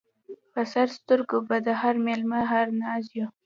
پر سر سترګو به د هر مېلمه هر ناز و